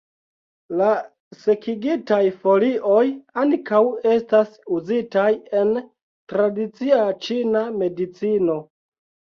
La sekigitaj folioj ankaŭ estas uzitaj en tradicia ĉina medicino.